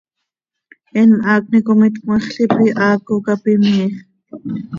Eenm haacni com itcmexl ipi, haaco cap imiiix.